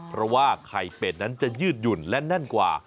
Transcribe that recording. เพราะว่าไข่เป็ดนั้นจะยืดหยุ่นและแน่นกว่า